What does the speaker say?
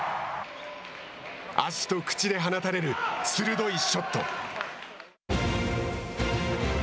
足と口で放たれる、鋭いショット。